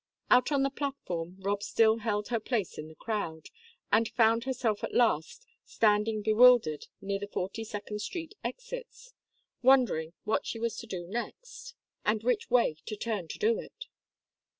Out on the platform Rob still held her place in the crowd, and found herself at last standing bewildered near the Forty second Street exits, wondering what she was to do next, and which way to turn to do it.